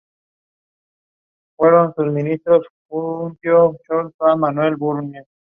Antonia López Páez, natural de Ceuta, y tuvo dilatada sucesión.